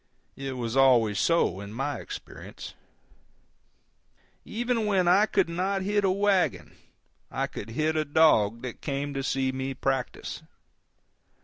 It was always so in my experience. Even when I could not hit a wagon I could hit a dog that came to see me practice.